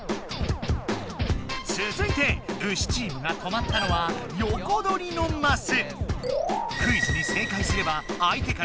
つづいてウシチームが止まったのは「よこどり」のマス。